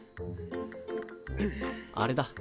あれだ。